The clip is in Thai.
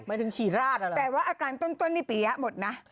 หมายถึงฉี่ราดอะไรแต่ว่าอาการต้นนี่ปียะหมดนะ